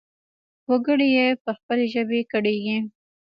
وګړي يې پر خپلې ژبې ګړيږي.